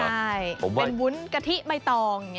เป็นบุ้นกะทิใบตอง